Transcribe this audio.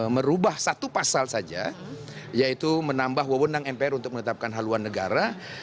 merubah satu pasal saja yaitu menambah wawonan mpr untuk menetapkan haluan negara